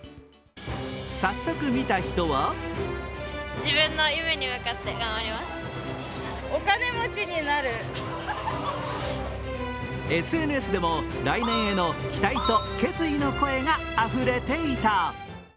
早速見た人はＳＮＳでも、来年への期待と決意の声があふれていた。